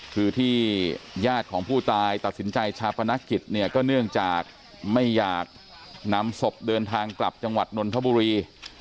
คือที่ญาติของผู้ตายตัดสินใจชาปนกิจเนี่ยก็เนื่องจากไม่อยากนำศพเดินทางกลับจังหวัดนนทบุรี